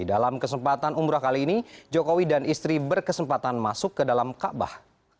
dalam kesempatan umrah kali ini jokowi dan istri berkesempatan masuk ke dalam kaabah